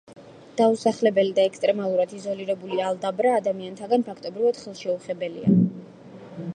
დაუსახლებელი და ექსტრემალურად იზოლირებული ალდაბრა ადამიანთაგან ფაქტობრივად ხელშეუხებელია.